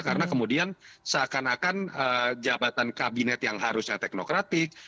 karena kemudian seakan akan jabatan kabinet yang harusnya teknokratik